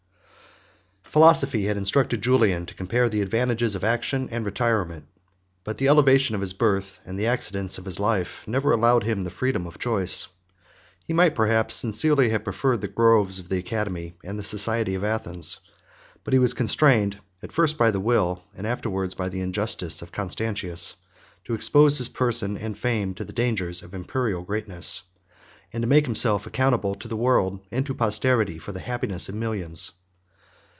Philosophy had instructed Julian to compare the advantages of action and retirement; but the elevation of his birth, and the accidents of his life, never allowed him the freedom of choice. He might perhaps sincerely have preferred the groves of the academy, and the society of Athens; but he was constrained, at first by the will, and afterwards by the injustice, of Constantius, to expose his person and fame to the dangers of Imperial greatness; and to make himself accountable to the world, and to posterity, for the happiness of millions.